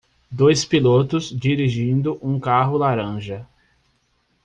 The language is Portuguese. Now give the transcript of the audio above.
Dois pilotos dirigindo um carro laranja